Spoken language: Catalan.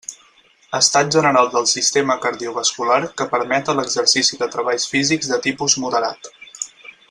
Estat general del sistema cardiovascular que permeta l'exercici de treballs físics de tipus moderat.